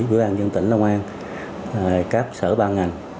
bữa ăn dân tỉnh long an các sở ban ngành